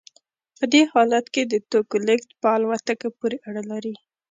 په دې حالت کې د توکو لیږد په الوتکه پورې اړه لري